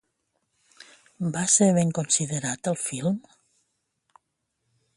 Va ser ben considerat el film?